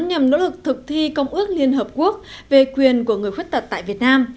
nhằm nỗ lực thực thi công ước liên hợp quốc về quyền của người khuyết tật tại việt nam